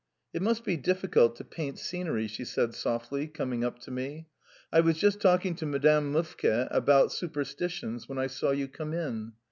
" It must be difficult to paint scenery," she said softly, coming up to me. " I was just talking to Mrs. Mufke about prejudice when I saw you come in.